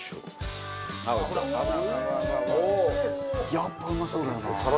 やっぱうまそうだよな。